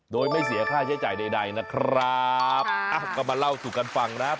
โดยไม่เสียค่าใช้จ่ายใดนะครับอ่ะก็มาเล่าสู่กันฟังนะครับ